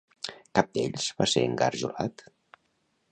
Cap d'ells va ser engarjolat?